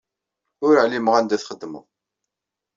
Ur ɛlimeɣ anda txeddmeḍ.